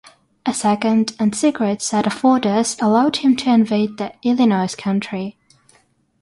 A second, and secret, set of orders allowed him to invade the Illinois Country.